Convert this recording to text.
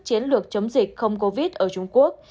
chiến lược chống dịch không covid ở trung quốc